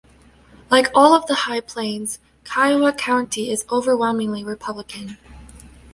Like all of the High Plains, Kiowa County is overwhelmingly Republican.